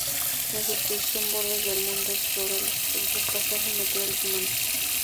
En su exposición "Bordes del mundo" explora los paisajes naturales y humanos.